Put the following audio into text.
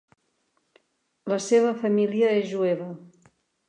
La seva família és jueva.